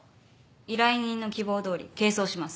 依頼人の希望どおり係争します。